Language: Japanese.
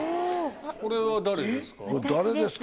これは誰ですか？